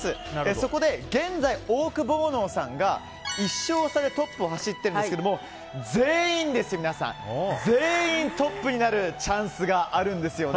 そこで現在オオクボーノさんが１勝差でトップを走っているんですけども全員がトップになるチャンスがあるんですよね。